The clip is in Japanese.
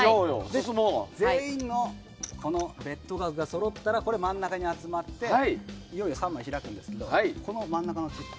全員のベット額がそろったら真ん中に集まっていよいよ３枚開くんですがこの真ん中のチップ。